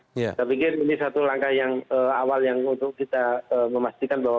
saya pikir ini satu langkah yang awal yang untuk kita memastikan bahwa